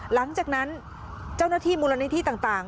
หลังจากนั้นเจ้าหน้าที่มูลนิธิต่าง